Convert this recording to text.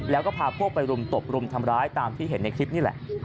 แล้วก็พาพวกไปรุมตบรุมทำร้ายตามที่เห็นในคลิปนี่แหละ